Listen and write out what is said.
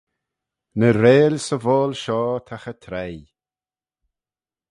Ny reill sy vooal shoh ta cha treih.